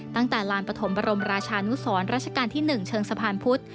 ตั้งแต่ลานปฐมบรมราชานุสรราชการที่๑เชิงสะพานพุทธ